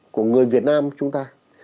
của người việt nam chúng ta